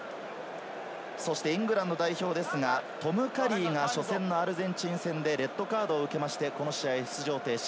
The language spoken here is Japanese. そしてイングランド代表ですが、トム・カリーが初戦のアルゼンチン戦でレッドカードを受けまして、この試合出場停止。